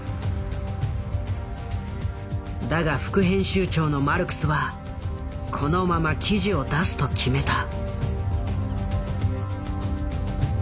だが副編集長のマルクスはこのまま記事を出すと決めた。